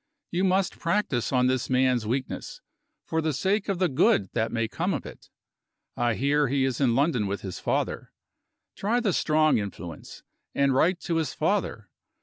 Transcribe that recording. You must practice on this man's weakness, for the sake of the good that may come of it. I hear he is in London with his father. Try the strong influence, and write to his father.